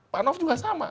pak noff juga sama